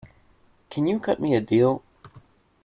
Can you cut me a deal?